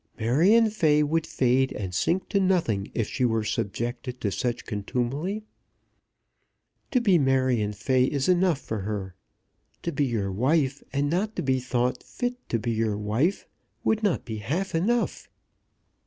Marion Fay would fade and sink to nothing if she were subjected to such contumely. To be Marion Fay is enough for her. To be your wife, and not to be thought fit to be your wife, would not be half enough."